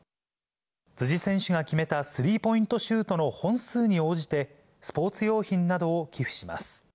辻選手が決めたスリーポイントシュートの本数に応じて、スポーツ用品などを寄付します。